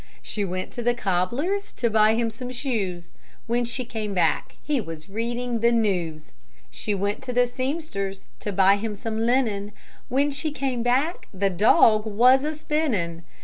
She went to the cobbler's To buy him some shoes; When she came back He was reading the news. She went to the sempster's To buy him some linen; When she came back The dog was a spinning.